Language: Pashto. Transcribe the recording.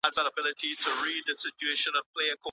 رواني فشارونه د حافظې کار کمزوری کوي.